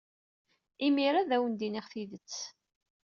Imir-a ad awen-d-iniɣ tidet.